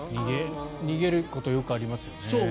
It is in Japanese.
逃げることはよくありますよね。